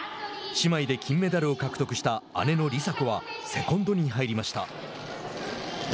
姉妹で金メダルを獲得した姉の梨紗子はセコンドに入りました。